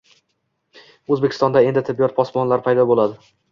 Oʻzbekistonda endi “tibbiyot posbonlari” paydo boʻladi.